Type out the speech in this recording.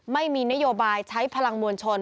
ไม่มีนโยบายใช้พลังมวลชน